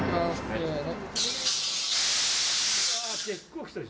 せの。